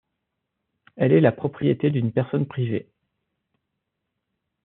Elle est la propriété d'une personne privée.